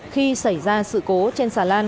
khi xảy ra sự cố trên xà lan